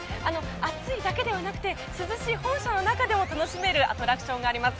暑いだけではなくて涼しい本社の中でも楽しめるアトラクションがあります。